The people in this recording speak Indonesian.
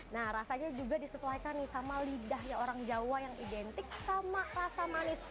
nah rasanya juga disesuaikan nih sama lidahnya orang jawa yang identik sama rasa manis